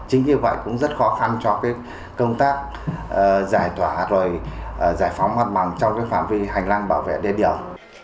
chính như vậy cũng rất khó khăn cho công tác giải thoả rồi giải phóng hoạt bằng trong phạm vi hành lang bảo vệ đê điều